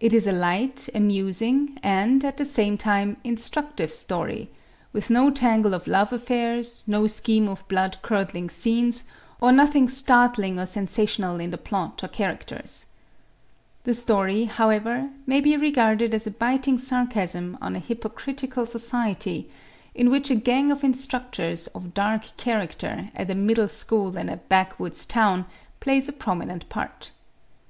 It is a light, amusing and, at the name time, instructive story, with no tangle of love affairs, no scheme of blood curdling scenes or nothing startling or sensational in the plot or characters. The story, however, may be regarded as a biting sarcasm on a hypocritical society in which a gang of instructors of dark character at a middle school in a backwoods town plays a prominent part.